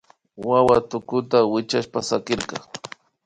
Wawa tukuta wichkashpa sakirka